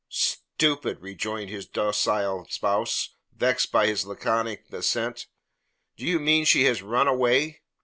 "Stupid!" rejoined his docile spouse, vexed by his laconic assent. "Do you mean she has run away?"